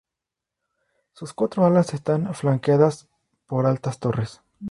Sus cuatro alas están flanqueadas por altas torres.